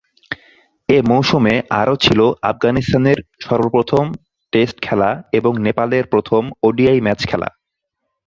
এ মৌসুমে আরো ছিল আফগানিস্তানের সর্বপ্রথম টেস্ট খেলা এবং নেপালের প্রথম ওডিআই ম্যাচ খেলা।